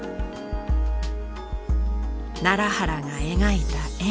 奈良原が描いた円